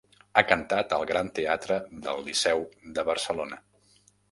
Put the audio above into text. Ha cantat al Gran Teatre del Liceu de Barcelona.